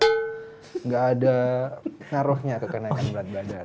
enggak ada ngaruhnya ke kenaikan berat badan